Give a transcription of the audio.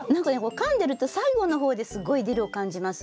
かんでると最後の方ですごいディルを感じます。